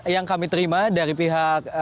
yang kami terima dari pihak